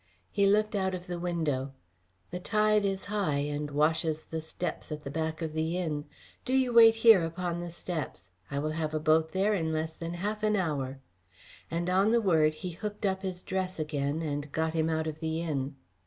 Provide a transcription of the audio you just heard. He looked out of the window. "The tide is high, and washes the steps at the back of the inn. Do you wait here upon the steps. I will have a boat there in less than half an hour;" and on the word he hooked up his dress again and got him out of the inn.